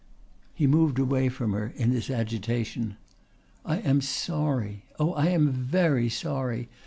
He moved away from her in his agitation. "I am sorry. Oh, I am very sorry.